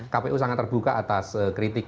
kpu sangat terbuka atas kritik